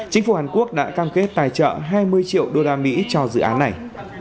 chính phủ hàn quốc đã cam kết tài trợ hai mươi triệu usd cho dự án này